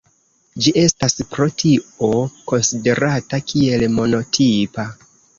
Ĝi estas pro tio konsiderata kiel monotipa.